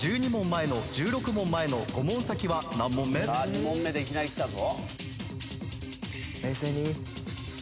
２問目でいきなりきたぞ。